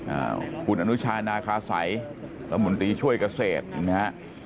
อ่าขุนอนุชาณาคาใสและมนตรีช่วยเกษตรนะฮะ